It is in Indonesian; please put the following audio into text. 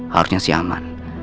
harusnya si alman